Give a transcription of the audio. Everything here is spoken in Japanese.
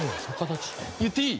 言っていい？